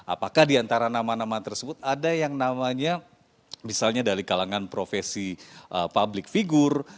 apakah di antara nama nama tersebut ada yang namanya misalnya dari kalangan provinsi public figure